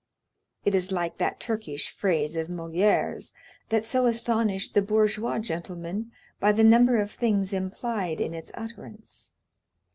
It is like that Turkish phrase of Molière's that so astonished the bourgeois gentleman by the number of things implied in its utterance.